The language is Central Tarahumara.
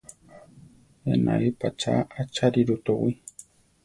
Enaí patzá acháriru towí.